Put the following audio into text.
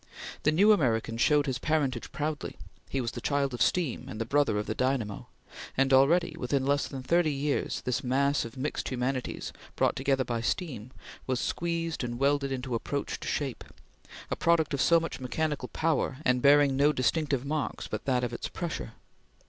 The new American showed his parentage proudly; he was the child of steam and the brother of the dynamo, and already, within less than thirty years, this mass of mixed humanities, brought together by steam, was squeezed and welded into approach to shape; a product of so much mechanical power, and bearing no distinctive marks but that of its pressure.